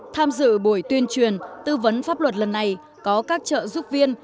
tham dự buổi tuyên truyền tư vấn pháp luật lần này có các trợ giúp viên